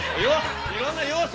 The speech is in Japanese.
◆いろんな要素